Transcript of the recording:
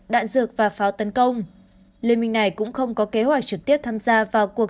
đạn dược và pháo tấn công liên minh này cũng không có kế hoạch trực tiếp tham gia vào cuộc